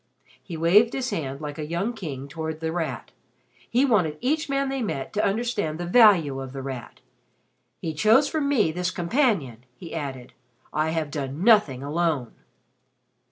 He waved his hand like a young king toward The Rat. He wanted each man they met to understand the value of The Rat. "He chose for me this companion," he added. "I have done nothing alone."